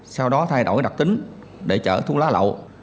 sau đó thay đổi đặc tính để chở thuốc lá lậu